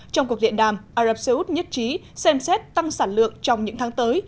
trong cuộc điện đàm ả rập xê út nhất trí xem xét tăng sản lượng trong những tháng tới